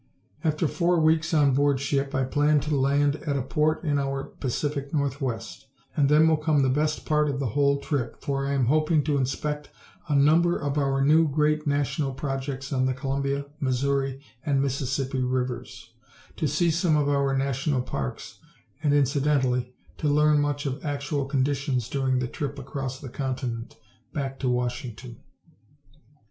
After four weeks on board ship, I plan to land at a port in our Pacific northwest, and then will come the best part of the whole trip, for I am hoping to inspect a number of our new great national projects on the Columbia, Missouri and Mississippi Rivers, to see some of our national parks and, incidentally, to learn much of actual conditions during the trip across the continent back to Washington.